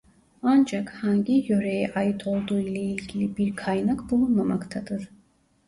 Ancak hangi yöreye ait olduğu ile ilgili bir kaynak bulunmamaktadır.